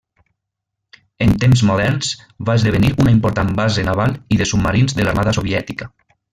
En temps moderns va esdevenir una important base naval i de submarins de l'Armada soviètica.